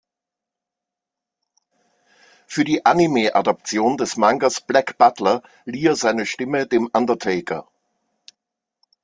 Für die Anime Adaption des Mangas Black Butler lieh er seine Stimme dem Undertaker.